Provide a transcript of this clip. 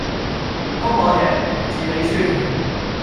公我贏,字你輸